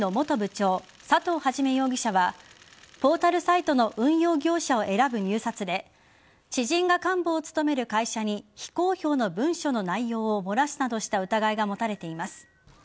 長佐藤元容疑者はポータルサイトの運用業者を選ぶ入札で知人が幹部を務める会社に非公表の文書の内容を漏らすなどした疑いが持たれています。